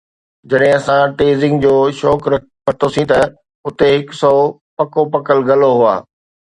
جڏهن اسان ٽيئزنگ جو شوق ورتوسين ته اتي هڪ سؤ پڪو پڪل گلو هئا